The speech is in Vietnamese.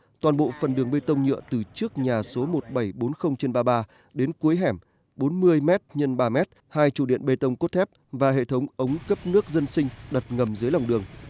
vết nứt dài khoảng bốn mươi m đoạn từ trước nhà số một nghìn bảy trăm bốn mươi trên ba mươi ba đến cuối hẻm bốn mươi m x ba m hai chủ điện bê tông cốt thép và hệ thống ống cấp nước dân sinh đặt ngầm dưới lòng đường